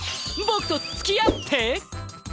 僕とつきあって？